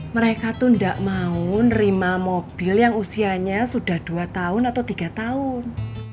mereka tuh tidak mau nerima mobil yang usianya sudah dua tahun atau tiga tahun